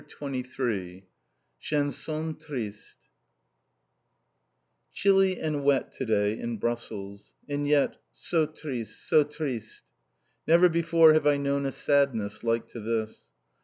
] CHAPTER XXIII CHANSON TRISTE Chilly and wet to day in Brussels. And oh, so triste, so triste! Never before have I known a sadness like to this.